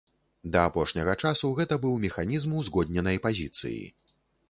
Да апошняга часу гэта быў механізм узгодненай пазіцыі.